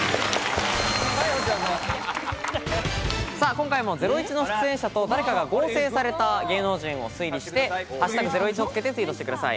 今回も『ゼロイチ』の出演者と誰かが合成された芸能人を推理して「＃ゼロイチ」をつけてツイートしてください。